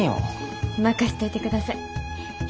任しといてください。